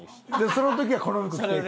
その時はこの服着ていくん？